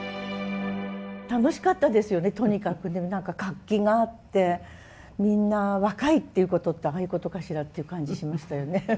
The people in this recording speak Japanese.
楽しかったですよねとにかく活気があってみんな若いっていうことってああいうことかしらっていう感じしましたよね。